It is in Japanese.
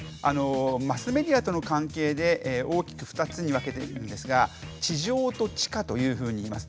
マスメディアとの関係で大きく２つに分けているんですが「地上」と「地下」というふうにいいます。